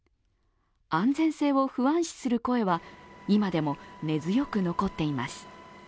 安全性を不安視する声は今でも根強く残っています。